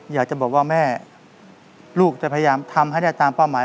อยากจะบอกว่าแม่ลูกจะพยายามทำให้ได้ตามเป้าหมาย